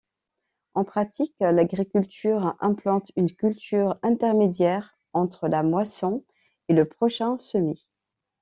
En pratique, l'agriculteur implante une culture intermédiaire entre la moisson et le prochain semis.